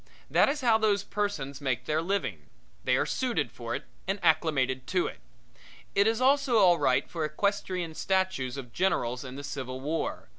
That is how those persons make their living. They are suited for it and acclimated to it. It is also all right for equestrian statues of generals in the Civil War.